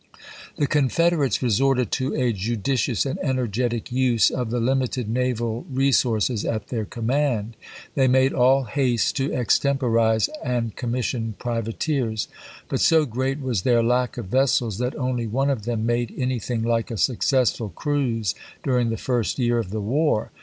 The Confederates resorted to a judicious and energetic use of the limited naval resources at their command. They made all haste to extemporize and commission privateers ; but so great was their lack of vessels that only one of them made any thing like a successful cruise during the first year of the war.